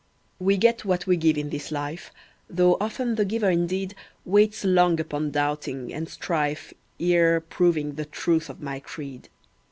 We get what we give in this life, Though often the giver indeed Waits long upon doubting and strife Ere proving the truth of my creed.